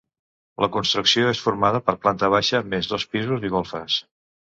La construcció és formada per planta baixa més dos pisos i golfes.